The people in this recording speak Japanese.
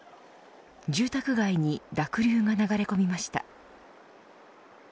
住宅街に濁流が流れ込みました。